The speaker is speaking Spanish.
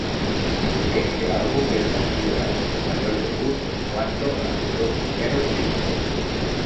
Éste álbum es considerado su mayor debut en cuanto a sus dos primeros discos.